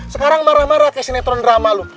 sekarang marah marah kayak sinetron drama loh